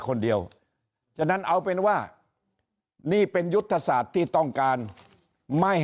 ฉะนั้นเอาเป็นว่านี่เป็นยุทธศาสตร์ที่ต้องการไม่